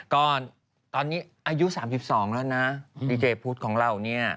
ก็ตอนนี้อายุ๓๒แล้วนะดีเจพุทธของเราเนี่ย